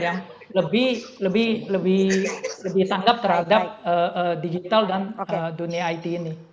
yang lebih tanggap terhadap digital dan dunia it ini